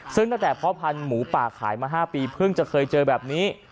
ซึ่งตั้งแต่พ่อพันธุ์หมูป่าขายมา๕ปีเพิ่งจะเคยเจอแบบนี้